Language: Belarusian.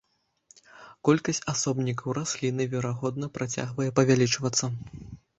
Колькасць асобнікаў расліны, верагодна, працягвае павялічвацца.